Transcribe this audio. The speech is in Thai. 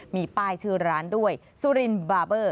มีป้ายชื่อร้านด้วยสุรินบาร์เบอร์